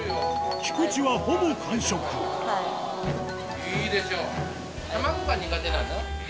菊地はほぼ完食いいでしょう。